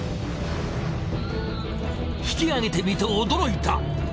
引きあげてみて驚いた。